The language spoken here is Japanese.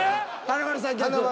華丸兄さん。